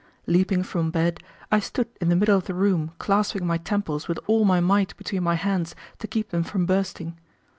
Leaping from bed, I stood in the middle of the room clasping my temples with all my might between my hands to keep them from bursting.